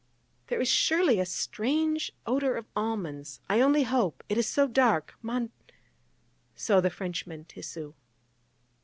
There is surely a strange odour of almonds I only hope it is so dark, mon D ' So the Frenchman, Tissu.